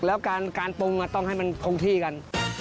แล้วการปรุงต้องให้มันคงที่กัน